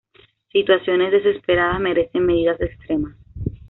Situaciones desesperadas merecen medidas extremas.